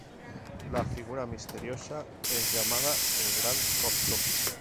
La figura misteriosa es llamada el Gran Copto.